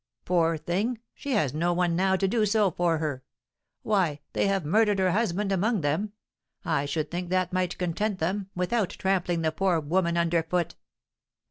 "Poor thing, she has no one now to do so for her! Why, they have murdered her husband among them! I should think that might content them, without trampling the poor woman under foot."